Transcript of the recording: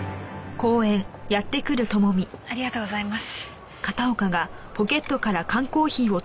ありがとうございます。